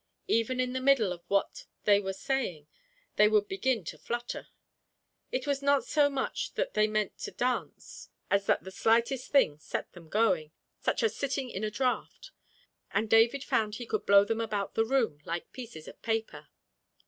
Even in the middle of what they were saying they would begin to flutter; it was not so much that they meant to dance as that the slightest thing set them going, such as sitting in a draught; and David found he could blow them about the room like pieces of paper.